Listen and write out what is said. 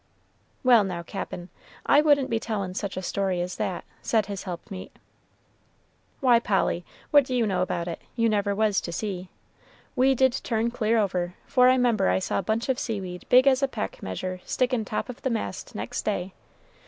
"Well, now, Cap'n, I wouldn't be tellin' such a story as that," said his helpmeet. "Why, Polly, what do you know about it? you never was to sea. We did turn clear over, for I 'member I saw a bunch of seaweed big as a peck measure stickin' top of the mast next day.